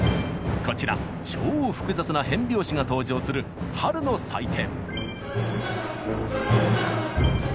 こちら超複雑な変拍子が登場する「春の祭典」。